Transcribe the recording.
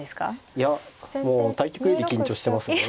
いやもう対局より緊張してますね。